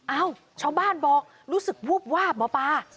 เอ้าชาวบ้านบอกรู้สึกวูบวาบหมอปลา